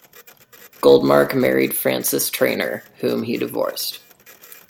Goldmark married Frances Trainer, whom he divorced.